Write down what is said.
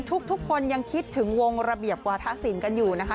ทุกคนยังคิดถึงวงระเบียบวาธศิลป์กันอยู่นะคะ